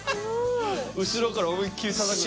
後ろから思いっきりたたくだけ。